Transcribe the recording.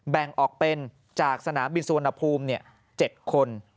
แบ่งออกเป็นจากสนามบินสุวรรณภูมิ๗คน